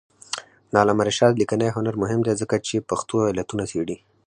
د علامه رشاد لیکنی هنر مهم دی ځکه چې پېښو علتونه څېړي.